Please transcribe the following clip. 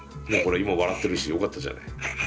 今笑ってるしよかったじゃない。